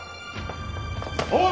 おい！